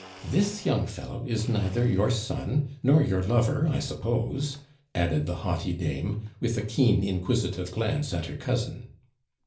This young fellow is neither your son nor your lover, I suppose?" added the haughty dame, with a keen, inquisitive glance at her cousin.